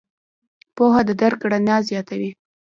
پوهه د درک رڼا زیاتوي.